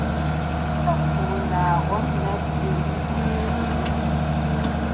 Унагъом нэбгырибгъу ис.